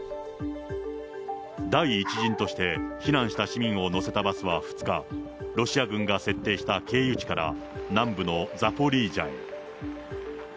第１陣として避難した市民を乗せたバスは２日、ロシア軍が設定した経由地から南部のザポリージャへ。